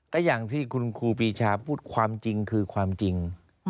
ก็อย่างที่คุณครูปีชาพูดความจริงคือความจริง